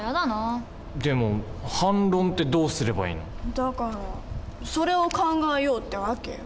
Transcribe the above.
だからそれを考えようって訳よ。